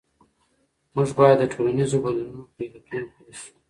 موږ باید د ټولنیزو بدلونونو په علتونو پوه شو.